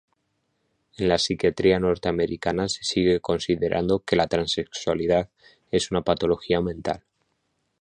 En la psiquiatría norteamericana se sigue considerando que la transexualidad es una patología mental.